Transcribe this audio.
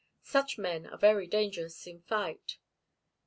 Such men are very dangerous in fight.